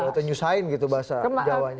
atau nyusahin gitu bahasa jawa nya